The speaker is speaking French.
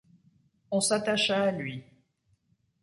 On s’attacha à lui.